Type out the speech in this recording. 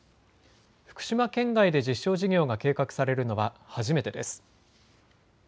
福島県外で実証事業が計画されるのは初めてです。